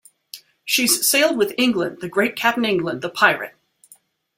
She's sailed with England-the great Cap'n England, the pirate.